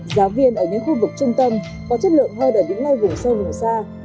giáo viên ở những khu vực trung tâm có chất lượng hơn ở những nơi vùng sâu vùng xa